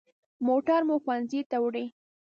موټر مو ښوونځي ته وړي.